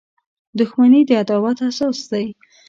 • دښمني د عداوت اساس دی.